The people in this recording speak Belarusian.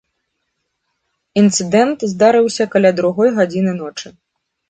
Інцыдэнт здарыўся каля другой гадзіны ночы.